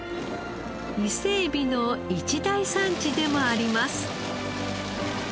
伊勢エビの一大産地でもあります。